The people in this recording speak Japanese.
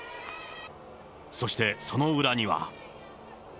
そしてその裏には。